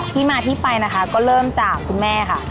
ที่มาที่ไปนะคะก็เริ่มจากคุณแม่ค่ะ